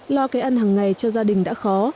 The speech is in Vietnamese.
lo cái ăn hàng ngày cho gia đình đã khó